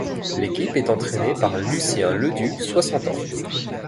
L'équipe est entraînée par Lucien Leduc, soixante ans.